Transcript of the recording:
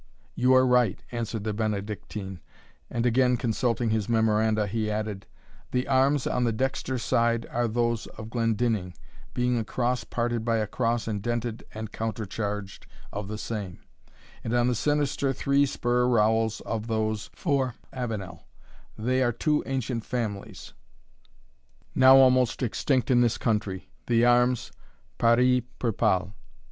"You are right," answered the Benedictine; and again consulting his memoranda, he added, "the arms on the dexter side are those of Glendinning, being a cross parted by a cross indented and countercharged of the same; and on the sinister three spur rowels for those of Avenel; they are two ancient families, now almost extinct in this country the arms part y per pale."